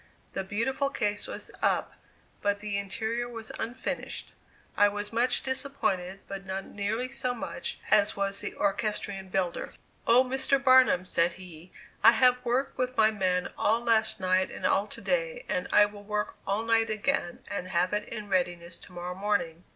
The beautiful case was up, but the interior was unfinished. I was much disappointed, but not nearly so much so as was the orchestrion builder. "Oh! Mr. Barnum," said he, "I have worked with my men all last night and all to day and I will work all night again and have it in readiness to morrow morning.